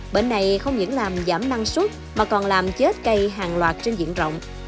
bệnh này không những làm giảm năng suất mà còn làm chết cây hàng loạt trên diện rộng